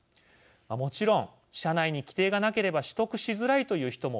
もちろん、社内に規定がなければ取得しづらいという人も